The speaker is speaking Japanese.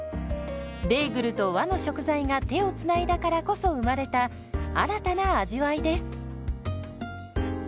ベーグルと和の食材が手をつないだからこそ生まれた新たな味わいです。